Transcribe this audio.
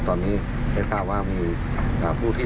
แต่ตอนนี้ตลอดค้ามีผู้ที่